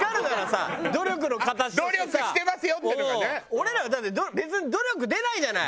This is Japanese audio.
俺らはだって別に努力出ないじゃない？